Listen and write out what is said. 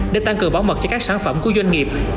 để tăng cường bảo mật cho các sản phẩm của doanh nghiệp